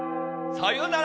さよなら。